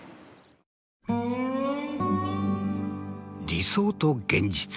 理想と現実。